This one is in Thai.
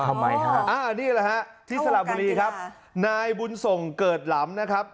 ทำไมฮะอ่านี่แหละฮะที่สระบุรีครับนายบุญส่งเกิดหลำนะครับ